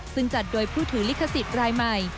ซึ่งจัดโดยผู้ถือลิขสิทธิ์รายใหม่